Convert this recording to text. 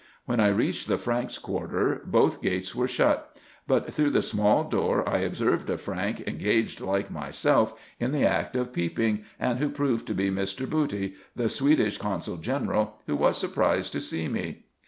When I reached the Franks' quarter, both gates were shut ; but through the small door I observed a Frank, engaged like myself in the act of peeping, and who proved to be Mr. Bocty, the Swedish consul general, who was surprised to see me.